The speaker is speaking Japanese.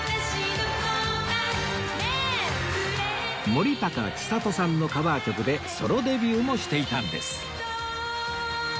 森高千里さんのカバー曲でソロデビューもしていたんです